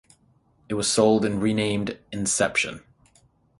It was sold and renamed "Inception".